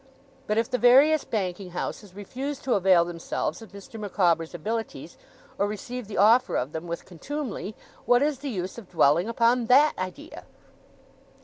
But if the various banking houses refuse to avail themselves of Mr. Micawber's abilities, or receive the offer of them with contumely, what is the use of dwelling upon THAT idea?